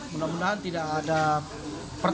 mudah mudahan tidak ada pertanyaan